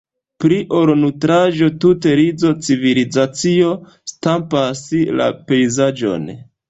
Pli ol nutraĵo, tuta rizo-civilizacio stampas la pejzaĝon.